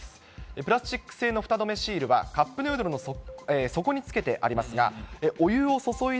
プラスチック製のふた止めシールは、カップヌードルの底につけてありますが、お湯を注いだ